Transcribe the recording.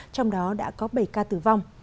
trong đó đã có bảy ca tử vong